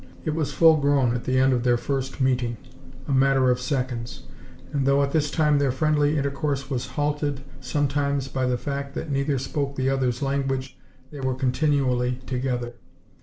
It was full grown at the end of their first meeting, a matter of seconds. And though at this time their friendly intercourse was halted sometimes by the fact that neither spoke the other's language, they were continually together.